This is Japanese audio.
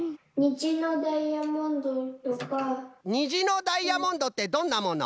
にじのダイヤモンドってどんなもの？